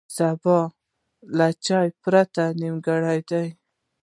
سبا له چای پرته نیمګړی دی.